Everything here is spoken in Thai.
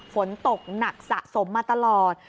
ฝนตกหนักสะสมมาตลอด